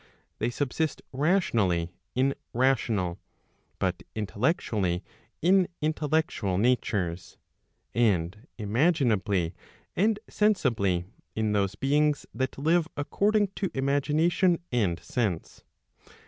they subsist rationally in rational, but intellectually in intellectual natures, and imaginably and sensibly in those beings that live according to imagination and sense.